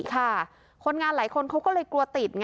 คนงานหลายคนเขากลัวติด